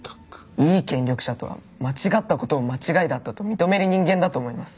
いい権力者とは間違った事を間違いだったと認める人間だと思います。